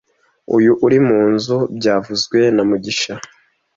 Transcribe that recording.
Uyu uri munzu byavuzwe na mugisha